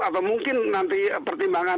atau mungkin nanti pertimbangan